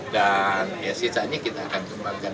ya sisanya kita akan kembangkan